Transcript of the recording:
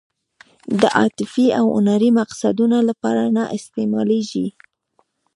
د عاطفي او هنري مقصدونو لپاره نه استعمالېږي.